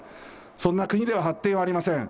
そんな国では発展はありません。